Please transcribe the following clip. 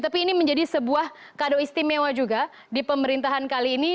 tapi ini menjadi sebuah kado istimewa juga di pemerintahan kali ini